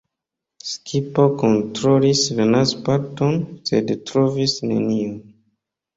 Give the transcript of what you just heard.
Skipo kontrolis la naz-parton, sed trovis nenion.